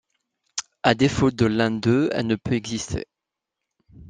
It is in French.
À défaut de l'un d'eux elle ne peut exister.